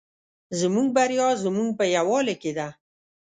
زموږ بریا زموږ په یوالي کې ده